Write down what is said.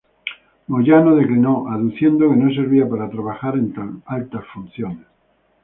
Moyano declinó, aduciendo que no servía para trabajar en tan altas funciones.